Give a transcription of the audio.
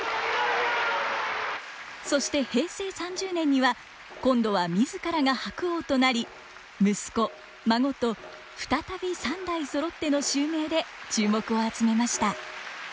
そして平成３０年には今度は自らが白鸚となり息子と孫と再び三代そろっての襲名で注目を集めました。